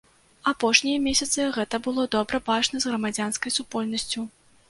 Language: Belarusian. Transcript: Апошнія месяцы гэта было добра бачна з грамадзянскай супольнасцю.